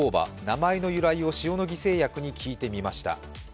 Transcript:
名前の由来を塩野義製薬に聞いてみました。